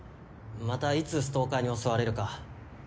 またいつストーカーに襲われるか。